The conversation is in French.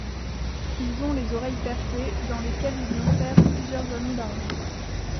Ils ont les oreilles percées, dans lesquelles ils insèrent plusieurs anneaux d'argent.